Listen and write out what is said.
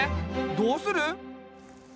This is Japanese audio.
どうする？